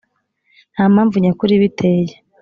nta mpamvu nyakuri ibiteye